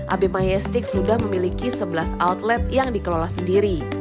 ab mayastik sudah memiliki sebelas outlet yang dikelola sendiri